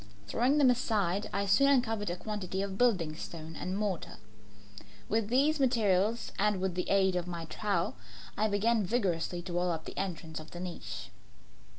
Throwing them aside, I soon uncovered a quantity of building stone and mortar. With these materials and with the aid of my trowel, I began vigorously to wall up the entrance of the niche.